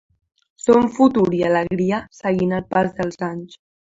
Som futur i alegria seguint el pas dels anys.